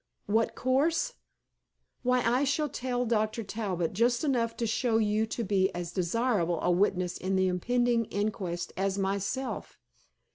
"What course? Why, I shall tell Dr. Talbot just enough to show you to be as desirable a witness in the impending inquest as myself.